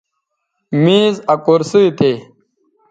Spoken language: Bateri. میز آ کرسئ تھے